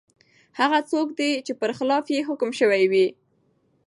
هغه څوک دی چي پر خلاف یې حکم سوی وي ؟